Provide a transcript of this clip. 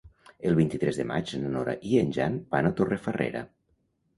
El vint-i-tres de maig na Nora i en Jan van a Torrefarrera.